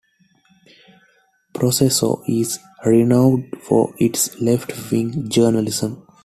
"Proceso" is renowned for its left-wing journalism.